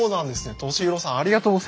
利宏さんありがとうございます。